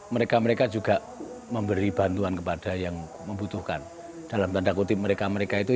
mereka mereka juga memberi bantuan kepada yang membutuhkan dalam tanda kutip mereka mereka itu